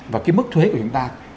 và cái mức thuế của chúng ta